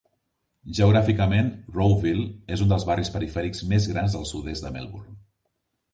Geogràficament, Rowville és un dels barris perifèrics més grans del sud-est de Melbourne.